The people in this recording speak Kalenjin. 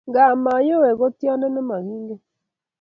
Nga mayowe ko tiondo nekimongen